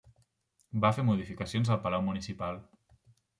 Va fer modificacions al palau municipal.